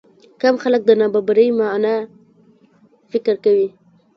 کم خلک د نابرابرۍ معنی فکر کوي.